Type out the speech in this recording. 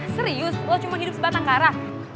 serius lo cuma hidup sebatang karna